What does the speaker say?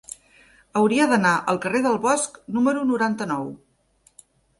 Hauria d'anar al carrer del Bosc número noranta-nou.